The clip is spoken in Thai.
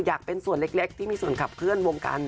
อยากเป็นส่วนเล็กที่มีส่วนขับเคลื่อนวงการ